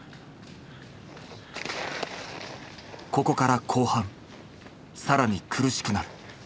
ここから後半更に苦しくなる。